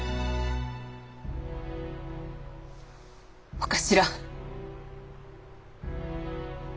お頭。